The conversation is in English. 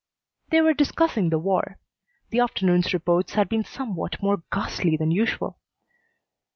They were discussing the war. The afternoon's reports had been somewhat more ghastly than usual.